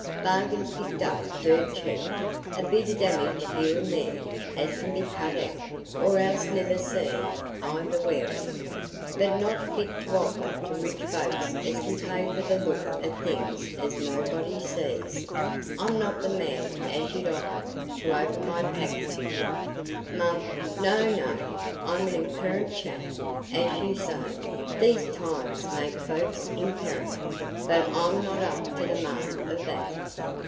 Bargains picked up dirt cheap! A bit o' damage here an' there, as can be cut out, or else niver seen i' the wearin', but not fit to offer to rich folks as can pay for the look o' things as nobody sees. I'm not the man as 'ud offer t' open my pack to you, mum; no, no; I'm a imperent chap, as you say,—these times makes folks imperent,—but I'm not up to the mark o' that."